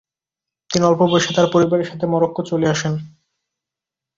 তিনি অল্প বয়সে তার পরিবারের সাথে মরক্কো চলে আসেন।